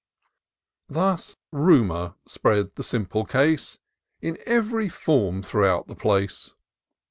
— Thus Rumour spread the simple case, In ev'ry form throughout the place.